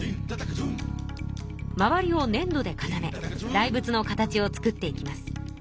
周りをねん土で固め大仏の形を作っていきます。